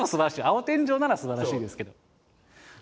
青天井なのはすばらしいですけど。